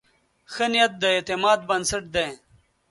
ښه نیت د اعتماد بنسټ دی.